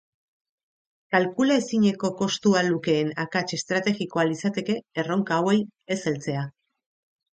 Kalkula ezineko kostua lukeen akats estrategikoa litzateke erronka hauei ez heltzea.